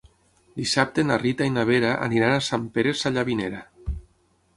Dissabte na Rita i na Vera aniran a Sant Pere Sallavinera.